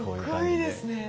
かっこいいですね。